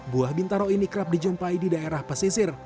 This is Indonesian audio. buah bintaro ini kerap dijumpai di daerah pesisir